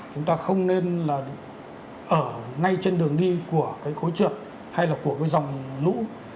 chúng ta không nên là ở ngay trên đường đi của cái khối trượt hay là của cái dòng lũ